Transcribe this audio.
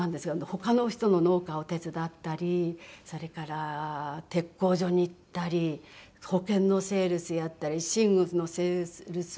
他の人の農家を手伝ったりそれから鉄工所に行ったり保険のセールスやったり寝具のセールスをやったり。